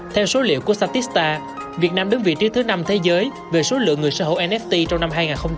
theo số liệu của satista việt nam đứng vị trí thứ năm thế giới về số lượng người sở hữu nft trong năm hai nghìn hai mươi